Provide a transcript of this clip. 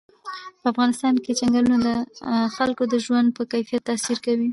په افغانستان کې چنګلونه د خلکو د ژوند په کیفیت تاثیر کوي.